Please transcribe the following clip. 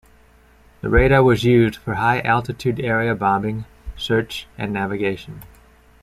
The radar was used for high altitude area bombing, search and navigation.